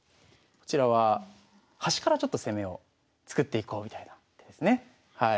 こちらは端からちょっと攻めを作っていこうみたいな手ですね。